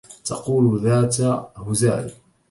تقول ذات هزال